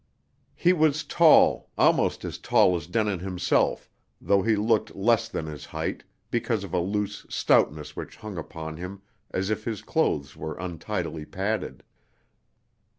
He was tall, almost as tall as Denin himself, though he looked less than his height, because of a loose stoutness which hung upon him as if his clothes were untidily padded.